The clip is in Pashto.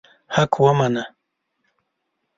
حق ومنه.